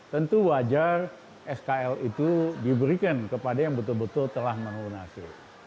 tentu wajar skl itu diberikan kepada yang betul betul telah melunasi